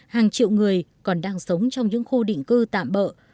hàng triệu người còn đang sống trong những khu định cư tạm bỡ